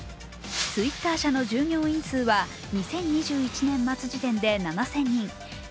ツイッター社の従業員数は２０２１年度末で７０００人。